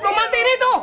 gak mati ini tuh